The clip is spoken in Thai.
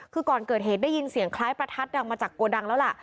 คือก่อนเกิดเหตุได้ยินเสียงคล้ายประทัดดังมาจากโกดังแล้วล่ะ